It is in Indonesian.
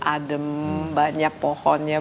adem banyak pohonnya